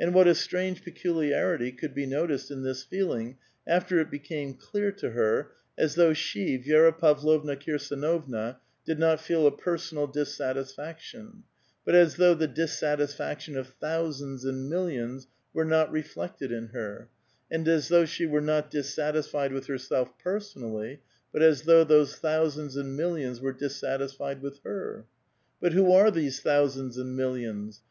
And what a strange peculiarity could be noticed in this feeling, after it became clear to her, as though she, Vi^ra Pavlovna Kirsdnova, did not feel a personal dissatisjfaction, but as though the dissatisfaction of thousands and millions were not reflected in her ; and as though she were not dissat isfied with herself personally, but as though these thousands and millions were dissatisfied with her. But who are these thousands and millions?